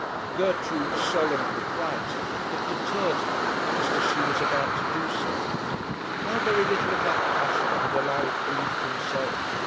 Gertrude's solemn propriety had deterred her, just as she was about to do so. How very little of that passion had Alaric breathed himself!